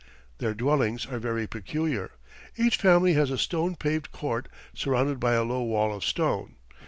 Their dwellings are very peculiar. Each family has a stone paved court surrounded by a low wall of stone.